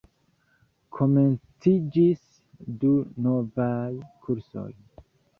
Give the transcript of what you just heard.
Komenciĝis du novaj kursoj.